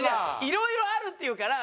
いろいろあるっていうから。